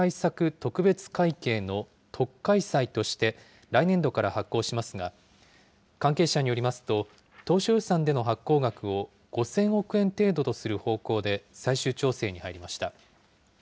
特別会計の特会債として来年度から発行しますが、関係者によりますと、当初予算での発行額を５０００億円程度とする方向で最終調整に入りました。